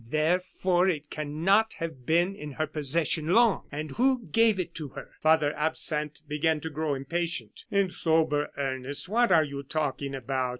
Therefore it cannot have been in her possession long, and who gave it to her?" Father Absinthe began to grow impatient. "In sober earnest, what are you talking about?"